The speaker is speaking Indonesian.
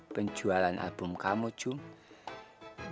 penjualan album kamu jul